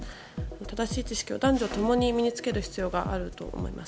正しい知識を男女ともに身に着ける必要があると思います。